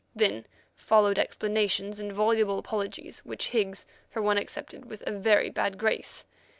Then followed explanations and voluble apologies, which Higgs for one accepted with a very bad grace.